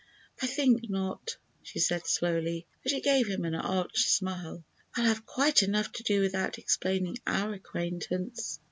"I think not," she said slowly, as she gave him an arch smile. "I'll have quite enough to do without explaining our acquaintance."